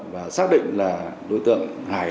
và xác định là đối tượng hải